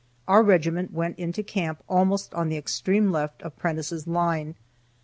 Our regiment went into camp almost on the extreme left of Prentiss' line.